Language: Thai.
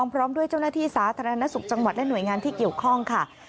พร้อมด้วยเจ้าหน้าที่สาธารณสุขจังหวัดและหน่วยงานที่เกี่ยวข้องค่ะ